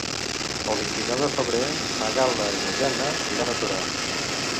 El vint-i-nou de febrer na Gal·la i na Jana iran a Torà.